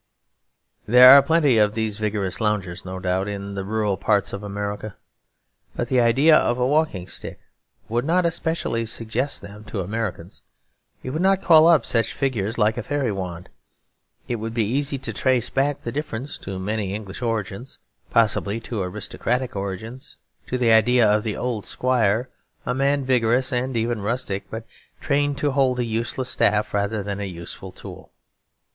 There are plenty of these vigorous loungers, no doubt, in the rural parts of America, but the idea of a walking stick would not especially suggest them to Americans; it would not call up such figures like a fairy wand. It would be easy to trace back the difference to many English origins, possibly to aristocratic origins, to the idea of the old squire, a man vigorous and even rustic, but trained to hold a useless staff rather than a useful tool.